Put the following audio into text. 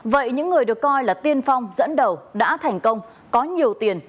vậy những người được coi là tiên phong dẫn đầu đã thành công có nhiều tiền